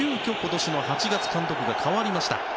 今年の８月、監督が変わりました。